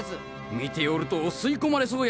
見ておると吸い込まれそうや。